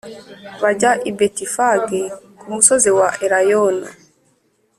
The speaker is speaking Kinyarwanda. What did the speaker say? bajya i Betifage ku musozi wa Elayono